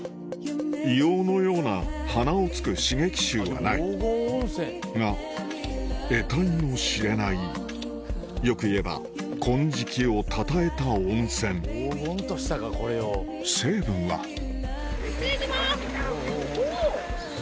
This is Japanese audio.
硫黄のような鼻をつく刺激臭はないがえたいの知れないよく言えば金色をたたえた温泉成分はお！